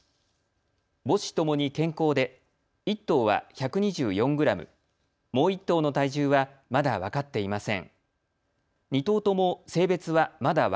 母子ともに健康で１頭は１２４グラム、もう１頭の体重はまだ分かっていません。